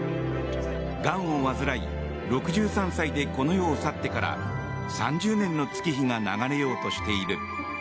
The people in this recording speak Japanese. がんを患い６３歳でこの世を去ってから３０年の月日が流れようとしている。